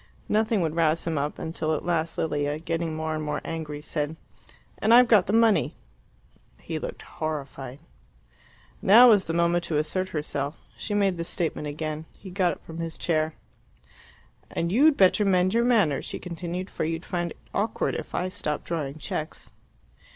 Nothing would rouse him up, until at last Lilia, getting more and more angry, said, "And I've got the money." He looked horrified. Now was the moment to assert herself. She made the statement again. He got up from his chair. "And you'd better mend your manners," she continued, "for you'd find it awkward if I stopped drawing cheques."